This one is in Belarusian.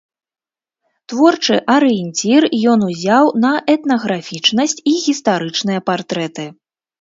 Творчы арыенцір ён узяў на этнаграфічнасць і гістарычныя партрэты.